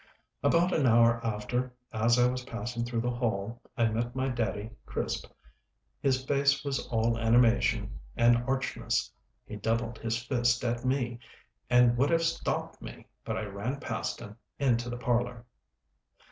About an hour after, as I was passing through the hall, I met my daddy [Crisp]. His face was all animation and archness; he doubled his fist at me and would have stopped me, but I ran past him into the parlor.